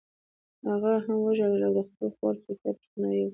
هغه هم ژړل او د خپلې خور سوفیا پوښتنه یې کوله